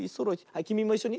はいきみもいっしょに。